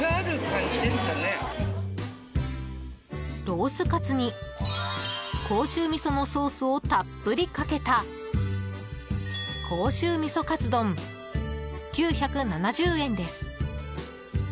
ロースカツに、甲州味噌のソースをたっぷりかけた甲州味噌かつ丼、９７０円です。